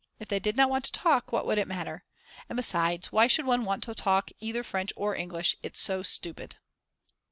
If they did not want to talk what would it matter? And besides why should one want to talk either French or English, it's so stupid.